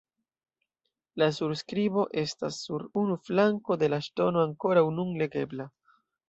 La surskribo estas sur unu flanko de la ŝtono ankoraŭ nun legebla.